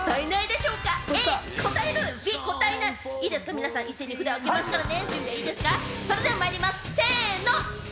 皆さん、一斉に札を上げますからね。